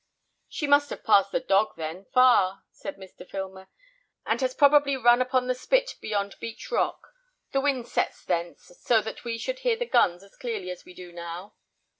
"She must have passed the Dog, then, far," said Mr. Filmer, "and has probably run upon the spit beyond Beach rock. The wind sets thence, so that we should hear the guns as clearly as we do now."